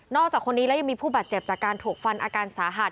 อกจากคนนี้แล้วยังมีผู้บาดเจ็บจากการถูกฟันอาการสาหัส